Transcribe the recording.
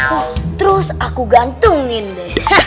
oh terus aku gantungin deh